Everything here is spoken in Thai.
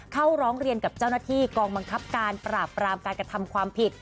เข้าร้องเรียนกับเจ้าหน้าที่กองบังคับการปราบปรามการกระทำความผิด